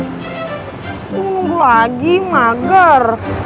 terus nunggu lagi mager